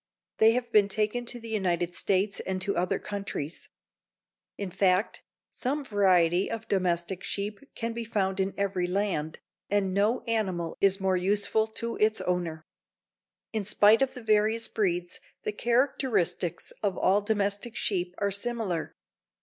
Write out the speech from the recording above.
They have been taken to the United States and to other countries. In fact, some variety of domestic sheep can be found in every land, and no animal is more useful to its owner. In spite of the various breeds, the characteristics of all domestic sheep are similar.